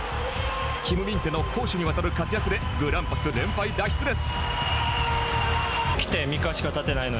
キム・ミンテの攻守にわたる活躍でグランパス、連敗脱出です。